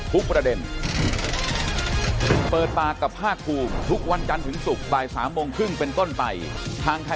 จะตัดสินว่าคุณโน้ตพูดหรือไม่อย่างไร